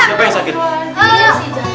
siapa yang sakit